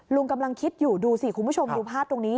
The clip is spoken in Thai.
ลุงกำลังคิดอยู่ดูสิคุณผู้ชมดูภาพตรงนี้